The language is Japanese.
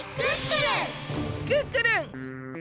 クックルン！